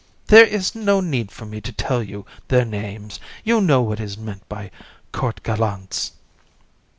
There is no need for me to tell you their names; you know what is meant by court gallants.